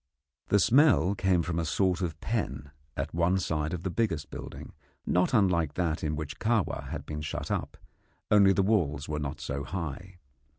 The smell came from a sort of pen at one side of the biggest building, not unlike that in which Kahwa had been shut up, only the walls were not so high.